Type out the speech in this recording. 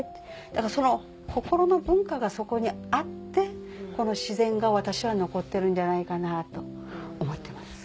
だから心の文化がそこにあってこの自然が私は残ってるんじゃないかなと思ってます。